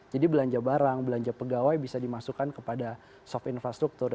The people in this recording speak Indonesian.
jadi belanja barang belanja pegawai bisa dimasukkan kepada soft infrastruktur